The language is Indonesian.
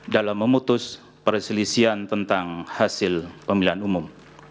dalam memutus perselisian tentang hasil pemilihan umum